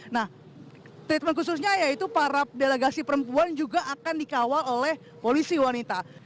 nah treatment khususnya yaitu para delegasi perempuan juga akan dikawal oleh polisi wanita